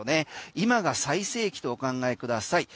今が最盛期とお考えください